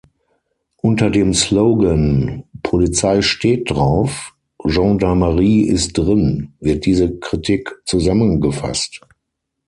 Unter dem Slogan „Polizei steht drauf, Gendarmerie ist drin“ wird diese Kritik zusammengefasst.